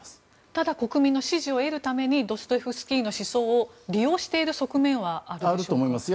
ただ国民の支持を得るためにドストエフスキーの思想を利用している側面はありますか？